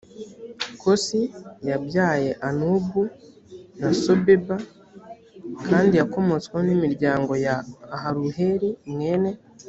kosi yabyaye anubu na sobeba kandi yakomotsweho n imiryango ya aharuheli mwene